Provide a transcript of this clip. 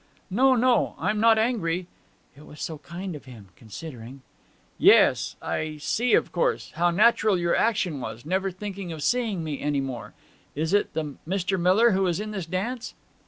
'No, no, I'm not angry.' 'It was so kind of him, considering!' 'Yes ... I see, of course, how natural your action was never thinking of seeing me any more! Is it the Mr. Miller who is in this dance?'